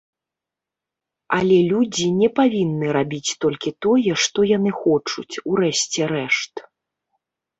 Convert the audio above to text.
Але людзі не павінны рабіць толькі тое, што яны хочуць, у рэшце рэшт.